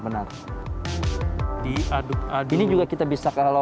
benar diaduk aduk ini juga kita bisa kalau